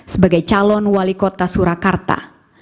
sebagai calon wali kota surakarta